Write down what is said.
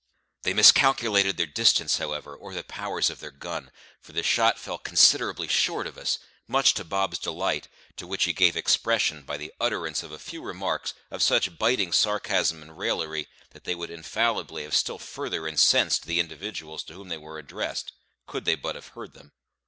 They miscalculated their distance, however, or the powers of their gun; for the shot fell considerably short of us, much to Bob's delight, to which he gave expression by the utterance of a few remarks of such biting sarcasm and raillery that they would infallibly have still further incensed the individuals to whom they were addressed could they but have heard them.